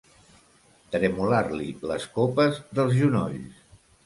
Tremolar-li les copes dels genolls.